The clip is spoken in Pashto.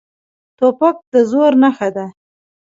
توپک د زور نښه ده.